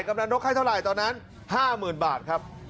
กำลังนกให้เท่าไหร่ตอนนั้น๕๐๐๐บาทครับ